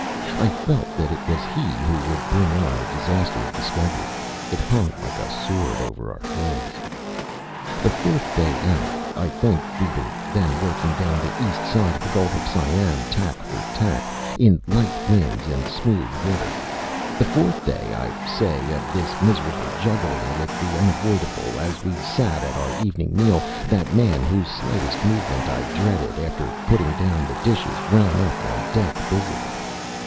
I felt that it was he who would bring on the disaster of discovery. It hung like a sword over our heads. The fourth day out, I think (we were then working down the east side of the Gulf of Siam, tack for tack, in light winds and smooth water) the fourth day, I say, of this miserable juggling with the unavoidable, as we sat at our evening meal, that man, whose slightest movement I dreaded, after putting down the dishes ran up on deck busily.